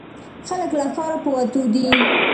خلک له ښاره په وتو دي.